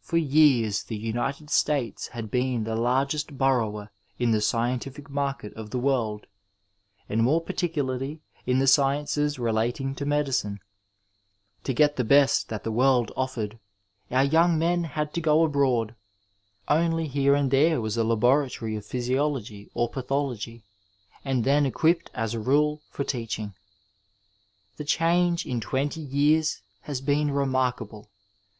For years the United States had been the largest borrower in the scientifi.c market of the world, and more particularly in the sciences relating to medicine. To get the best that the world offered, our young men had to go abroad ; only here and there was a laboratory of physiology or pathology, and then equipped as a rule for teaching. 407 Digitized by VjOOQIC THE FIXED PERIOD The change in twenty yean has been xemarkable.